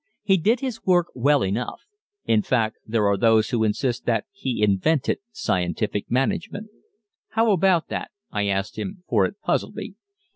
He did his work well enough; in fact, there are those who insist that he invented scientific management. "How about that?" I asked him, for it puzzled me.